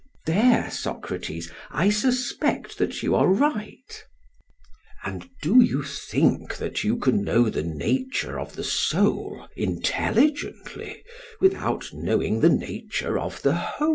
PHAEDRUS: There, Socrates, I suspect that you are right. SOCRATES: And do you think that you can know the nature of the soul intelligently without knowing the nature of the whole?